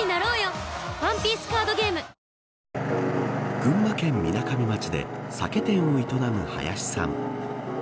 群馬県みなかみ町で酒店を営む林さん。